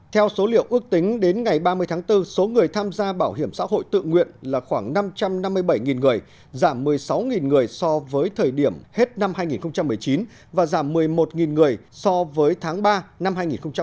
theo số liệu ước tính đến ngày ba mươi tháng bốn số người tham gia bảo hiểm xã hội tự nguyện là khoảng năm trăm năm mươi bảy người giảm một mươi sáu người so với thời điểm hết năm hai nghìn một mươi chín và giảm một mươi một người so với tháng ba năm hai nghìn một mươi chín